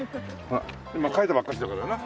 今書いたばっかしだからな。